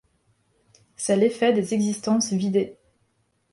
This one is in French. C’est l’effet des existences vidées.